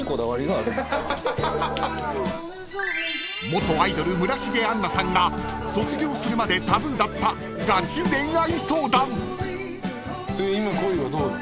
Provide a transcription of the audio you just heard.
［元アイドル村重杏奈さんが卒業するまでタブーだったガチ恋愛相談］